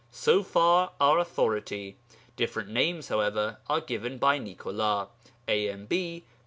So far our authority. Different names, however, are given by Nicolas, AMB, p.